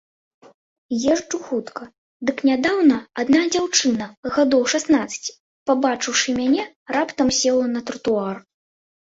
Езджу хутка, дык нядаўна адна дзяўчына гадоў шаснаццаці, пабачыўшы мяне, раптам села на тратуар.